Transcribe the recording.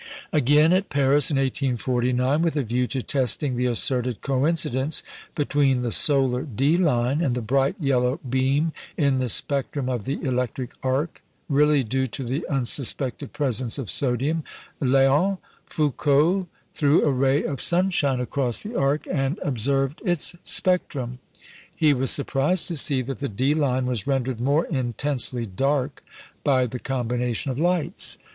Again, at Paris in 1849, with a view to testing the asserted coincidence between the solar D line and the bright yellow beam in the spectrum of the electric arc (really due to the unsuspected presence of sodium), Léon Foucault threw a ray of sunshine across the arc and observed its spectrum. He was surprised to see that the D line was rendered more intensely dark by the combination of lights.